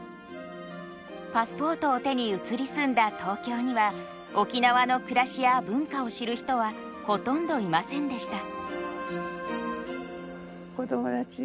パスポートを手に移り住んだ東京には沖縄の暮らしや文化を知る人はほとんどいませんでした。